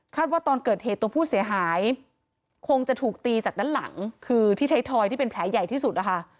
ว่าตอนเกิดเหตุตัวผู้เสียหายคงจะถูกตีจากด้านหลังคือที่ไทยทอยที่เป็นแผลใหญ่ที่สุดนะคะ